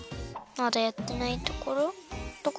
まだやってないところどこ？